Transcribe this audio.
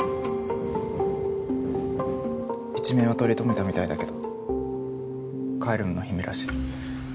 一命は取り留めたみたいだけどＣａｅｌｕｍの姫らしい。